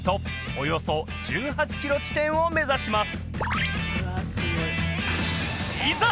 およそ１８キロ地点を目指します